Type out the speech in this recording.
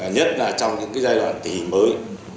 nhất là trong những cái giai đoạn tình mới